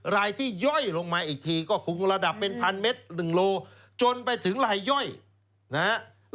รายที่ย่อยลงมาอีกทีก็คงระดับเป็นพันเมตร๑โลจนไปถึงลายย่อยนะฮะ